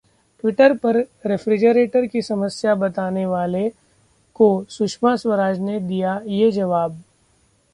Twitter पर refrigerator की समस्या बताने वाले को सुषमा स्वराज ने दिया ये जवाब